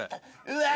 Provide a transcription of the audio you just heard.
うわ！